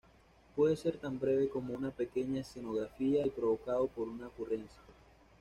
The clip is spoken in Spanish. Puede ser tan breve como una pequeña escenografía y provocado por una ocurrencia.